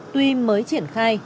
tuy mới triển khai